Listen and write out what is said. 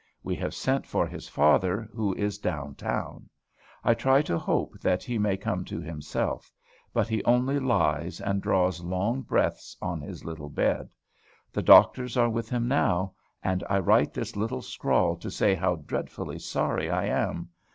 We have sent for his father, who is down town. I try to hope that he may come to himself; but he only lies and draws long breaths on his little bed. The doctors are with him now; and I write this little scrawl to say how dreadfully sorry I am.